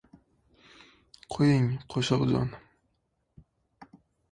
— Qo‘ying, Qo‘shoqjon!